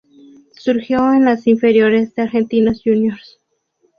Surgió en las inferiores de Argentinos Juniors.